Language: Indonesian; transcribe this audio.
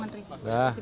terima kasih pak